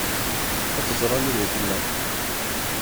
Ad tẓer anida i tella.